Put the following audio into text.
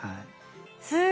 すごい。